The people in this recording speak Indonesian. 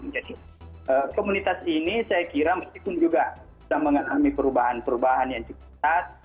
jadi komunitas ini saya kira masih pun juga sudah mengalami perubahan perubahan yang cukup besar